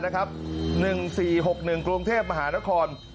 ๑๔๖๑กรุงเทพมหานคร